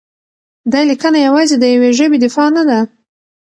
دا لیکنه یوازې د یوې ژبې دفاع نه ده؛